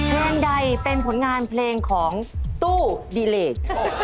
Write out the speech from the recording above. เพลงใดเป็นผลงานเพลงของตู้ดีเลส